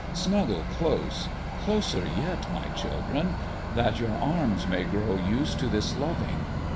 Snuggle close closer yet, my children that your arms may grow used to this loving.